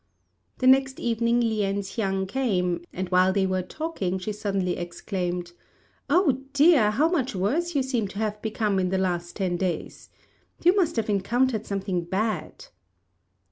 The next evening Lien hsiang came, and while they were talking she suddenly exclaimed, "Oh, dear! how much worse you seem to have become in the last ten days. You must have encountered something bad."